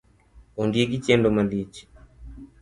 Ondiegi chendo malich